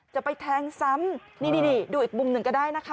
จะไปแทงซ้ำนี่ดูอีกมุมหนึ่งก็ได้นะคะ